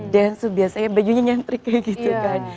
dan biasanya bajunya nyentrik kayak gitu kan